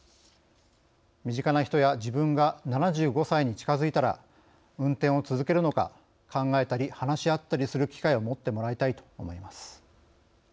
身近な人や自分が７５歳に近づいたら運転を続けるのか考えたり話し合ったりする機会を持ってもらいたいと思います。